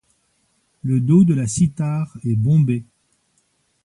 Le dos de la cithare est bombé.